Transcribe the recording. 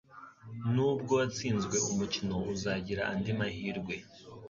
Nubwo watsinzwe umukino uzagira andi mahirwe